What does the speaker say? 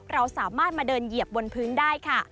เราสามารถมาเดินเหยียบบนพื้นได้ค่ะ